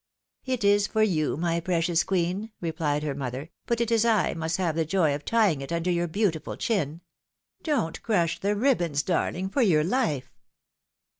"It is for you, my precious queen," repUed her mother; " but it is I must have the joy of tying it under your beautiful chin. Don't crush the ribbons, darhng, for your life